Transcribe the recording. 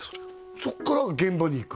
そっからは現場に行く？